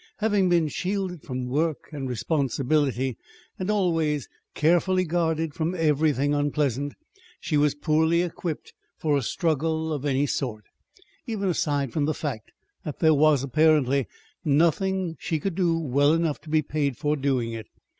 Having been shielded from work and responsibility, and always carefully guarded from everything unpleasant, she was poorly equipped for a struggle of any sort, even aside from the fact that there was, apparently, nothing that she could do well enough to be paid for doing it.